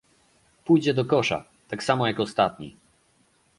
pójdzie do kosza, tak samo jak ostatni